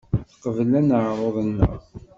Teqbel aneɛruḍ-nneɣ.